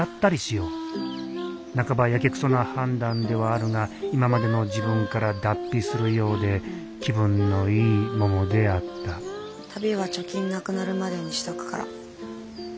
半ばやけくそな判断ではあるが今までの自分から脱皮するようで気分のいいももであった旅は貯金なくなるまでにしとくから。